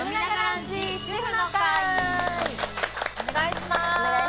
お願いします。